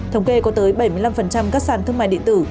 thống kê có tới bảy mươi năm các sàn thương mại điện tử